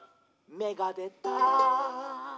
「めがでた！」